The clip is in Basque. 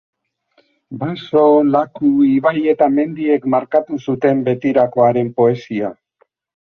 Baso, laku, ibai eta mendiek markatu zuten betirako haren poesia.